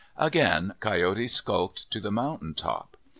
Again Coyote skulked to the mountain top.